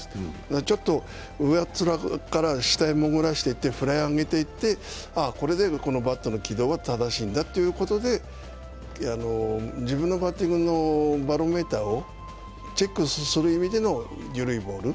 ちょっと上っ面から下へ潜らせていって、フライ上げていって、これでバットの軌道は正しいんだということで自分のバッティングのバロメーターをチェックする意味での緩いボール。